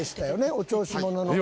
お調子者の。